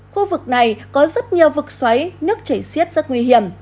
khu vực này có rất nhiều vực xoáy nước chảy xiết rất nguy hiểm